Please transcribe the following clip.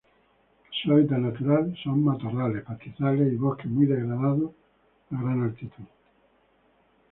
Su hábitat natural es matorrales, pastizales y bosques muy degradados a gran altitud.